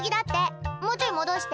もうちょい戻して。